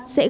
sẽ gây ra